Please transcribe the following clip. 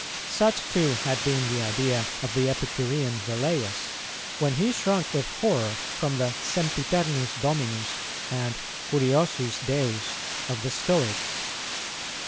Such too had been the idea of the Epicurean Velleius, when he shrunk with horror from the "sempiternus dominus" and "curiosus Deus" of the Stoics.